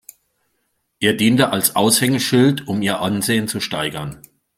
Er diente als Aushängeschild, um ihr Ansehen zu steigern.